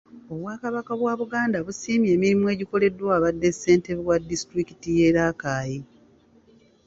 Obwakabaka bwa Buganda busiimye emirimu egikoleddwa abadde ssentebe wa disitulikiti y'e Rakai